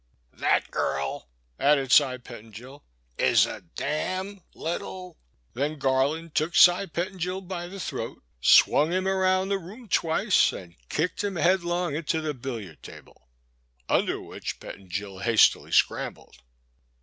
'* The girl," added Cy Pettingil, " is a damned little " Then Garland took Cy Pettingil by the throat, swung him around the room twice, and kicked him headlong into the billiard table, under which Pettingil hastily scrambled.